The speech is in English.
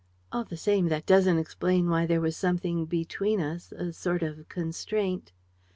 All the same, that doesn't explain why there was something between us, a sort of constraint